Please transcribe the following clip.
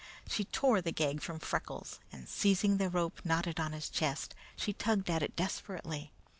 She tore the gag from Freckles, and seizing the rope knotted on his chest, she tugged at it desperately.